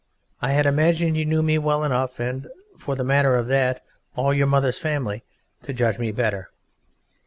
I had imagined you knew me well enough and, for the matter of that, all your mother's family to judge me better.